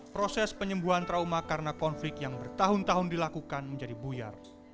proses penyembuhan trauma karena konflik yang bertahun tahun dilakukan menjadi buyar